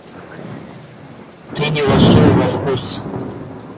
Ты не вошел во вкус.